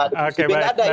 dukung si b